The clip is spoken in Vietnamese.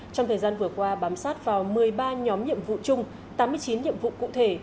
trong thời gian vừa qua bám sát vào một mươi ba nhóm nhiệm vụ chung tám mươi chín nhiệm vụ cụ thể